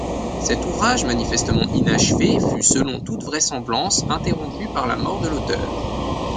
Cet ouvrage, manifestement inachevé, fut selon toute vraisemblance interrompu par la mort de l’auteur.